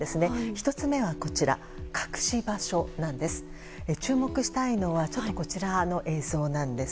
１つ目は、隠し場所なんです。